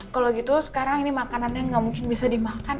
kalau gitu sekarang ini makanannya nggak mungkin bisa dimakan